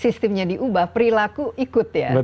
sistemnya diubah perilaku ikut ya